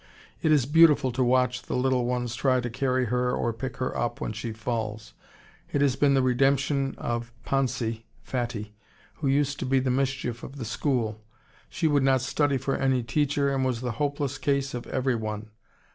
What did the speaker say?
It is beautiful to watch the little ones try to carry her or pick her up when she falls. It has been the redemption of "Pontsi" (Fattie), who used to be the mischief of the school: she would not study for any teacher, and was the hopeless case of every one.